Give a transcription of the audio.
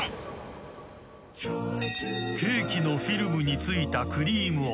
［ケーキのフィルムに付いているクリームは］